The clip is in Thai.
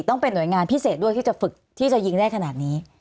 ต้องเป็นหน่วยงานพิเศษด้วยที่จะฝึกที่จะยิงได้ขนาดนี้